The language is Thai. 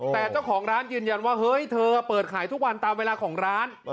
แต่เจ้าของร้านยืนยันว่าเฮ้ยเธอเปิดขายทุกวันตามเวลาของร้าน